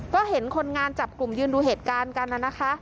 ก็เห็นคนงานจับกลุ่มยืนดูเหตุการณ์กันนะคะ